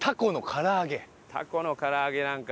タコのから揚げなんか。